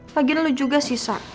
lagian lu juga sih sa